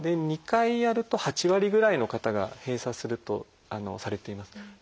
２回やると８割ぐらいの方が閉鎖するとされています。